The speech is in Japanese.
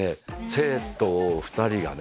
生徒２人がね